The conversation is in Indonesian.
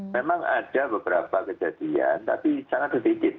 memang ada beberapa kejadian tapi sangat sedikit